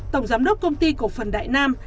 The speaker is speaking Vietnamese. tổng giám đốc công ty cổ phần đại nam